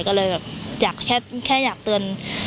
ก็เลยแบบอยากแค่อยากเตือน